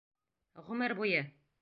Ғүмер буйы.